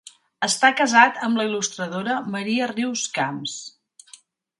Està casat amb la il·lustradora Maria Rius Camps.